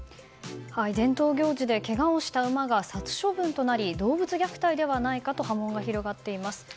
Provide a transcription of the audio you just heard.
伝統行事でけがをした馬が殺処分となり動物虐待ではないかと波紋が広がっています。